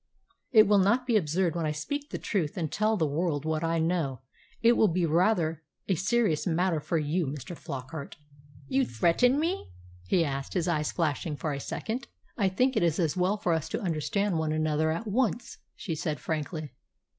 "It will not be absurd when I speak the truth and tell the world what I know. It will be rather a serious matter for you, Mr. Flockart." "You threaten me, then?" he asked, his eyes flashing for a second. "I think it is as well for us to understand one another at once," she said frankly.